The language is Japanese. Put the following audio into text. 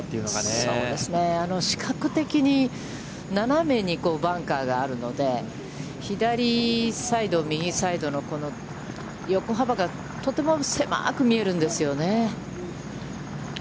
視覚的に斜めにバンカーがあるので、左サイド右サイドのこの横幅が、とても狭く見えるんですよね。